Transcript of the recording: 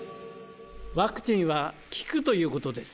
ワクチンは効くということです。